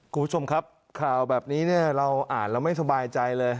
คุณผู้ชมครับข่าวแบบนี้เราอ่านแล้วไม่สบายใจเลย